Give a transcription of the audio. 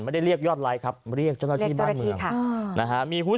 ไม่ได้เรียกยอดไรครับเรียกเจ้าหน้าที่บ้านเมือง